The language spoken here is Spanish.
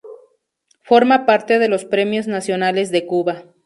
Forma parte de los Premios Nacionales de Cuba.